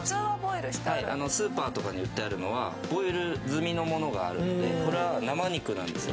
スーパーとかに売ってあるのはボイル済みのものがあるのでこれは生肉なんですよ。